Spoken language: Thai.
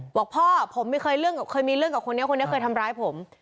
บอกพ่อผมเคยมีเรื่องกับคนนี้คนนี้เคยทำร้ายผม